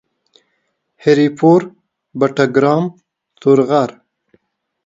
هري پور ، بټګرام ، تورغر